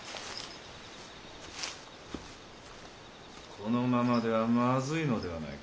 ・このままではまずいのではないか？